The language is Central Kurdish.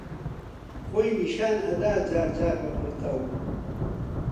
خۆی نیشان ئەدا جارجار بە پڕتەو